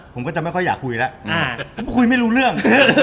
ผมก็จะไม่ค่อยอยากคุยแล้วคุยไม่รู้เรื่อง